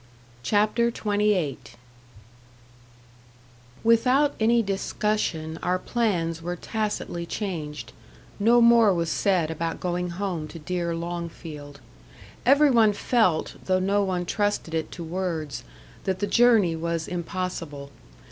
CHAPTER XXVIII Without any discussion, our plans were tacitly changed no more was said about going home to dear Longfield. Every one felt, though no one trusted it to words, that the journey was impossible.